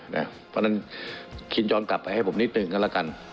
เพราะฉะนั้นคิดย้อนกลับไปให้ผมนิดหนึ่งก็แล้วกัน